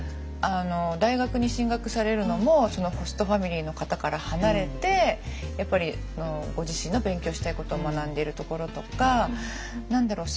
大学に進学されるのもそのホストファミリーの方から離れてやっぱりご自身の勉強したいことを学んでるところとか何だろう